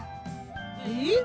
えっ！？